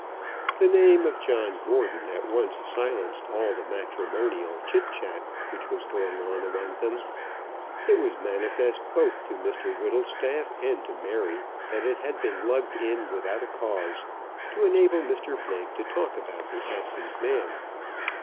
The name of John Gordon at once silenced all the matrimonial chit chat which was going on among them. It was manifest both to Mr Whittlestaff and to Mary that it had been lugged in without a cause, to enable Mr Blake to talk about the absent man.